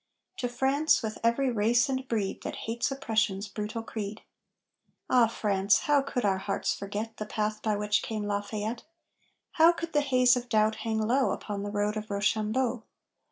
To France with every race and breed That hates Oppression's brutal creed! Ah France how could our hearts forget The path by which came Lafayette? How could the haze of doubt hang low Upon the road of Rochambeau?